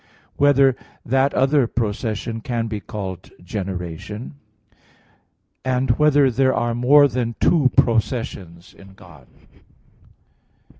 (4) Whether that other procession can be called generation? (5) Whether there are more than two processions in God?